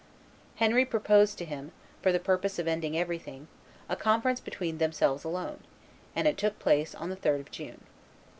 Henry proposed to him, for the purpose of ending everything, a conference between themselves alone; and it took place on the 3d of June.